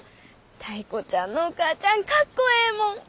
タイ子ちゃんのお母ちゃんかっこええもん。